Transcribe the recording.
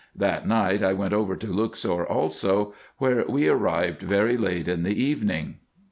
That night I went over to Luxor also, where we arrived very late in the evening.